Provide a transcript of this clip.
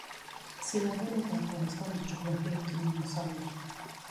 سیلابونه د افغانستان د جغرافیوي تنوع مثال دی.